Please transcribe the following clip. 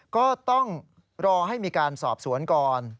ก็ต้องรอให้มีการสอบสวนก่อน